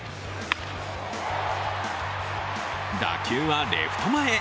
打球はレフト前へ。